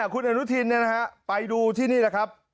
คุณอนุทินเนี่ยนะครับไปดูที่นี่แหละครับ